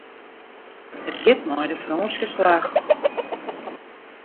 It giet mei de Frânske slach.